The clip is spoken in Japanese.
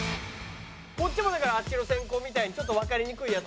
こっちもだからあっちの先攻みたいにちょっとわかりにくいやつ。